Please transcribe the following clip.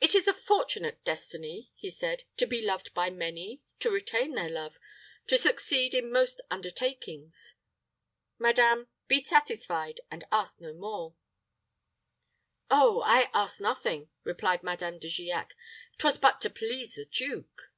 "It is a fortunate destiny," he said, "to be loved by many to retain their love to succeed in most undertakings. Madame, be satisfied, and ask no more." "Oh, I ask nothing," replied Madame De Giac. "'Twas but to please the duke."